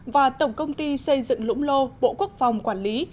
và tổng công ty xây dựng lũng lô bộ quốc phòng quản lý